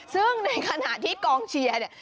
ซึ่งในขณะที่กองเชียร์เนี่ย